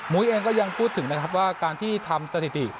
เองก็ยังพูดถึงนะครับว่าการที่ทำสถิติ